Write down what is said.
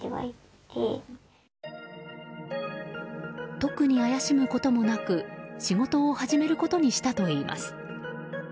特に怪しむこともなく仕事を始めることにしたといいます。